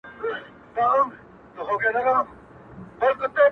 لس کلونه یې تر مرګه بندیوان وو-